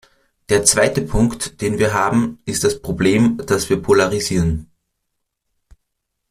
Der zweite Punkt, den wir haben, ist das Problem, dass wir polarisieren.